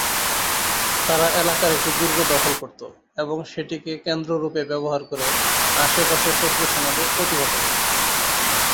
তারা এলাকার একটি দুর্গ দখল করতো এবং সেটি কে কেন্দ্র রূপে ব্যবহার করে আশেপাশের শত্রু সেনাদের প্রতিহত করত।